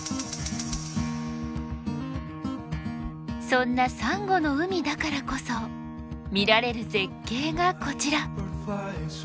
そんなサンゴの海だからこそ見られる絶景がこちら。